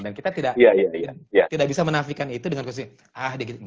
dan kita tidak bisa menafikan itu dengan khususnya ah dia gitu